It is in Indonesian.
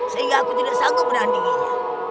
sehingga aku tidak sanggup menandinginya